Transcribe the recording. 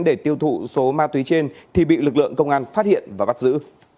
để tiêu thụ số ma túy trên thì bị lực lượng công an phát hiện và bắt giữ